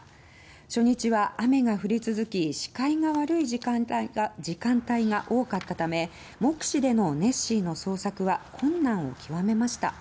初日は雨が降り続き視界が悪い時間帯が多かったため目視でのネッシーの捜索は困難を極めました。